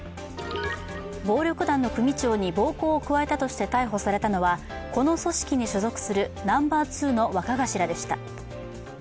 暴力団の組長に暴行を加えたとして逮捕されたのはこの組織に所属するナンバー２の若頭でした。